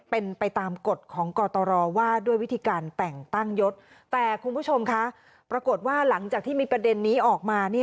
เป็นไปตามกฎของกตรว่าด้วยวิธีการแต่งตั้งยศแต่คุณผู้ชมคะปรากฏว่าหลังจากที่มีประเด็นนี้ออกมา